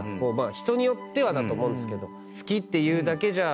人によってはだと思うんですけど。